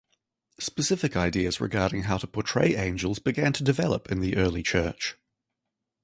Specific ideas regarding how to portray angels began to develop in the early Church.